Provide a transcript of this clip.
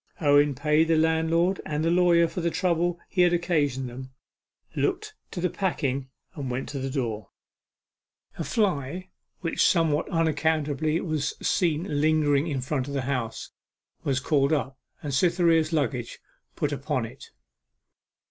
Owen paid the landlord and the lawyer for the trouble he had occasioned them, looked to the packing, and went to the door. A fly, which somewhat unaccountably was seen lingering in front of the house, was called up, and Cytherea's luggage put upon it.